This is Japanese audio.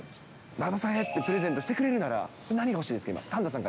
中田さんへってプレゼントしてくれるなら、何が欲しいですか？